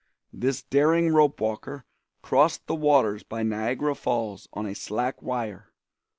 This daring rope walker crossed the waters by Niagara Falls on a slack wire.